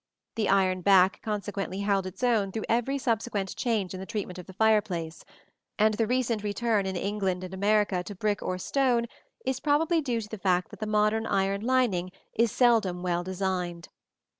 The iron back consequently held its own through every subsequent change in the treatment of the fireplace; and the recent return, in England and America, to brick or stone is probably due to the fact that the modern iron lining is seldom well designed.